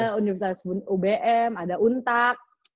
ada universitas ubm ada untak